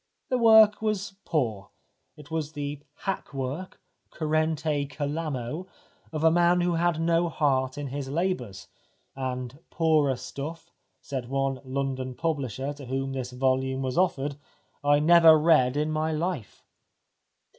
The work was poor ; it was the hack work, currente calamo, of a man who had no heart in his labours; and "poorer stuff," said one London publisher to whom this volume was offered, " I never read in my life."